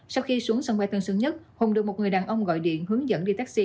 sau khi xuống sân bay tân sơn nhất hùng được một người đàn ông gọi điện hướng dẫn đi taxi